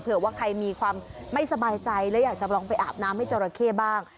เผื่อว่าใครมีความไม่สบายใจและอยากจะลองไปอาบน้ำให้จราเข้บ้าง